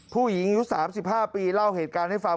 ผู้หญิงอายุ๓๕ปีเล่าเหตุการณ์ให้ฟัง